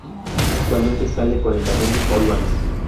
Actualmente, sale con el cantante Paul Banks.